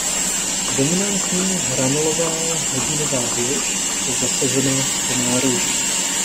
Dominantní hranolová hodinová věž je zasazena do nároží.